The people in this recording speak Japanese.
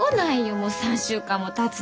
もう３週間もたつのに。